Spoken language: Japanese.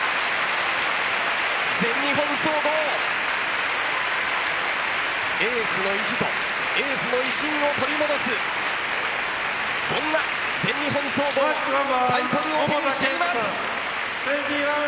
全日本総合エースの意地とエースの威信を取り戻すそんな全日本総合タイトルを手にしています。